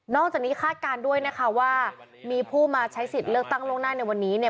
อกจากนี้คาดการณ์ด้วยนะคะว่ามีผู้มาใช้สิทธิ์เลือกตั้งล่วงหน้าในวันนี้เนี่ย